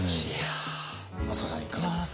益子さんいかがですか？